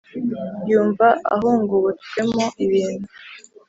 Yumva ahongobotswemo ibintu,